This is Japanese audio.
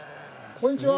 こんにちは。